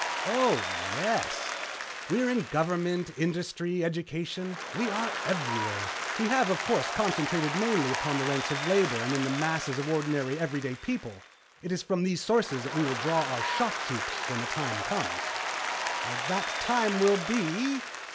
"Oh, yes. We are in government, industry, education. We are everywhere. We have, of course, concentrated mainly upon the ranks of labor and in the masses of ordinary, everyday people. It is from these sources that we will draw our shock troops when the time comes." "That time will be